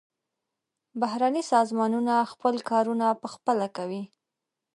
بهرني سازمانونه خپل کارونه پخپله کوي.